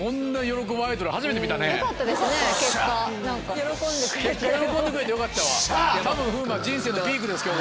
喜んでくれてよかったたぶん。